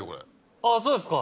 そうですか。